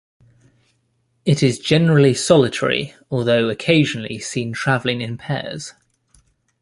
It is generally solitary, although occasionally seen travelling in pairs.